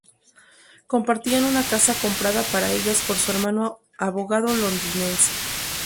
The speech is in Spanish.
Compartían una casa comprada para ellas por su hermano, abogado londinense.